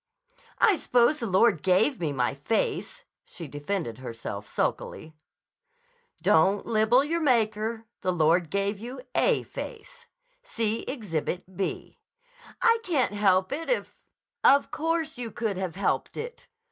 "I suppose the Lord gave me my face," she defended herself sulkily. "Don't libel your Maker. The Lord gave you a face. See Exhibit B." "I can't help it if—" "Of course you could have helped it!